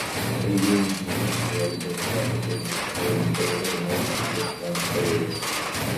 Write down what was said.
Avio engineers were able to replicate the same failure mode with this launch failure.